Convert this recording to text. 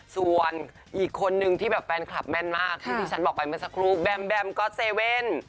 ส่วนอีกคนนึงที่แบบแฟนคลับแม่นมากอย่างที่ที่ฉันบอกไปเมื่อสักครู่แบมแบมก๊อตเซเว่น